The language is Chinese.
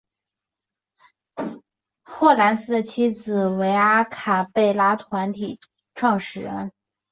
霍蓝斯的妻子为阿卡贝拉团体创始人。